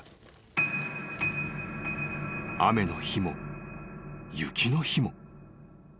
［雨の日も雪の日も］